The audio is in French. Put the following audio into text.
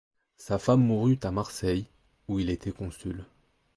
Sa femme mourut à Marseille, où il était consul.